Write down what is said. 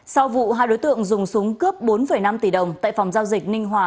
sau vụ hai đối tượng dùng súng cướp bốn năm tỷ đồng tại phòng giao dịch ninh hòa